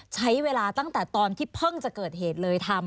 ใช้เวลาตั้งแต่ตอนที่เพิ่งจะเกิดเหตุเลยทำ